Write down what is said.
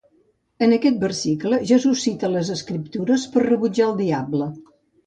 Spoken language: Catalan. En aquest versicle Jesús cita les escriptures per rebutjar el diable.